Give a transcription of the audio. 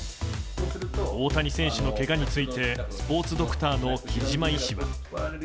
大谷選手のけがについてスポーツドクターの木島医師は。